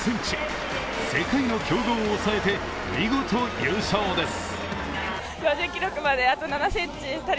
世界の強豪を押さえて、見事優勝です。